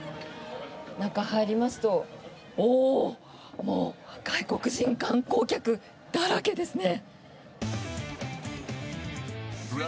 中、入りますともう外国人観光客だらけですね。